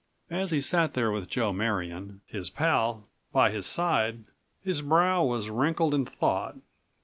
As he sat there with Joe Marion, his pal, by his side, his brow was wrinkled in thought.